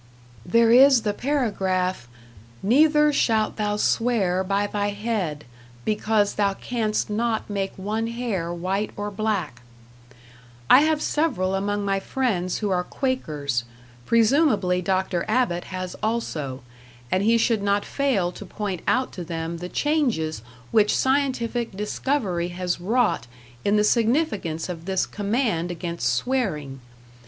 There is the paragraph, "Neither shalt thou swear by thy head, because thou canst not make one hair white or black." I have several among my friends who are Quakers; presumably Dr. Abbott has also; and he should not fail to point out to them the changes which scientific discovery has wrought in the significance of this command against swearing.